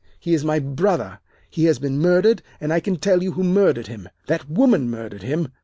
He is my brother. He has been murdered, and I can tell you who murdered him. That woman murdered him.